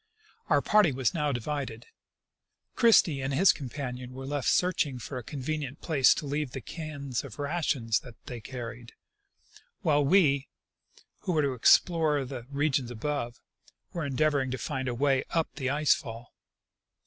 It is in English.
Our party was now divided ; Christie and his companion were left searching for, a convenient place to leave the cans of rations they carried, while we, who were to explore the regions above, were endeavoring to find a way up the ice fall.